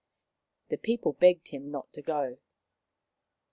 The people begged him not to go.